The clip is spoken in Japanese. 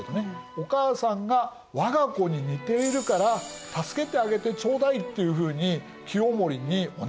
お母さんが「我が子に似ているから助けてあげてちょうだい」っていうふうに清盛にお願いした。